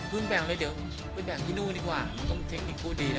พึ่งแบ่งเลยเดี๋ยวไปแบ่งที่นู่นดีกว่ามันต้องเทคนิคพูดดีนะ